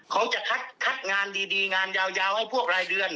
เขาจะคัดงานดีงานยาวให้พวกรายเดือน